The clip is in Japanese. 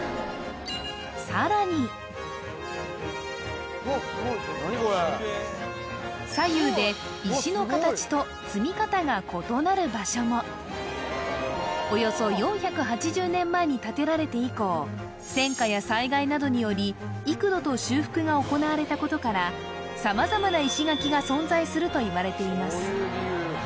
さらに場所もおよそ４８０年前に建てられて以降戦火や災害などにより幾度と修復が行われたことから様々な石垣が存在するといわれています